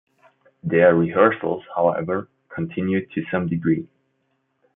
Their rehearsals, however, continued to some degree.